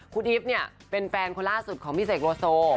คุณอีฟเนี่ยเป็นแฟนคนล่าสุดของพี่เสกโลโซ